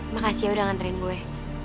makasih ya udah nganterin gue